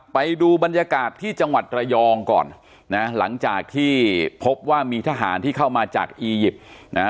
ไปดูบรรยากาศที่จังหวัดระยองก่อนนะหลังจากที่พบว่ามีทหารที่เข้ามาจากอียิปต์นะฮะ